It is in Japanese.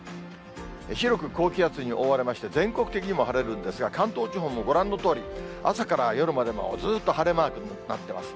広く高気圧に覆われまして、全国的にも晴れるんですが、関東地方もご覧のとおり、朝から夜まで、もうずっと晴れマークになってます。